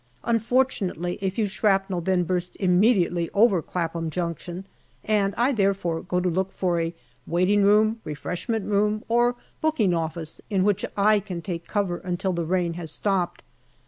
Unfortunately, a few shrapnel then burst immediately over " Clapham Junction," and I there fore go to look for a waiting room, refreshment room, or booking office in which I can take cover until the rain has stopped.